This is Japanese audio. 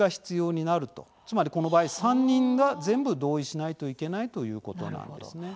つまりこの場合３人が全部同意しないといけないということなんですね。